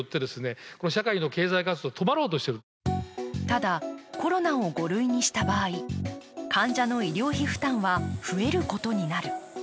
ただ、コロナを５類にした場合患者の医療費負担は増えることになる。